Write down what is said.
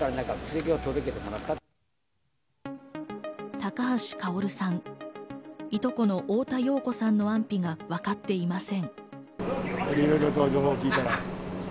高橋薫さん、いとこの太田洋子さんの安否が分かっていません。